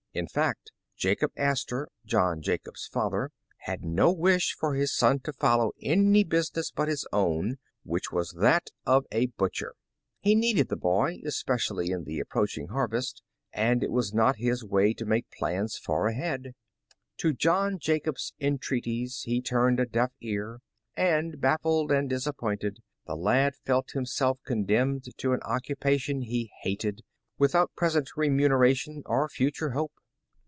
In fact, Jacob Astor, John Jacob's father, had no wish for his son to follow any business but his own, which was that of a The Original John Jacob Astor butcher. He needed the boy, especially in the ap proaching harvest, and it was not his way to make plans far ahead. To John Jacob 's entreaties, he turned a deaf ear, and baffled and disappointed, the lad felt himself condemned to an occupation he hated, without present remuneration, or future hope.